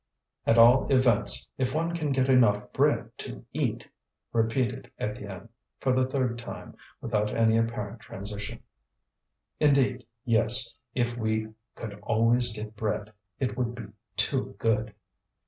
"At all events, if one can get enough bread to eat," repeated Étienne, for the third time, without any apparent transition. "Indeed, yes; if we could always get bread, it would be too good."